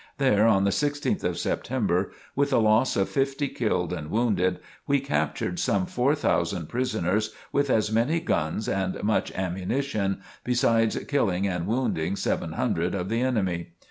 There on the 16th of September, with a loss of fifty killed and wounded, we captured some four thousand prisoners with as many guns and much ammunition, besides killing and wounding seven hundred of the enemy.